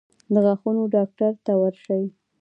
د غاښونو ډاکټر ته ورشئ